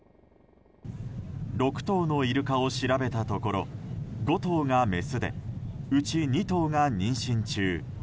６頭のイルカを調べたところ５頭がメスでうち２頭が妊娠中。